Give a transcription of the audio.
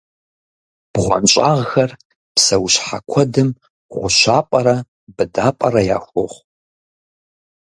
БгъуэнщӀагъхэр псэущхьэ куэдым гъущапӀэрэ быдапӀэрэ яхуохъу.